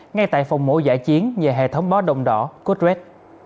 ngay tại phòng mổ giải chiến nhờ hệ thống báo động đỏ cốt rết